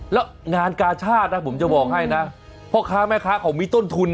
แล้วงานกาชาตินะผมจะบอกให้นะพ่อค้าแม่ค้าเขามีต้นทุน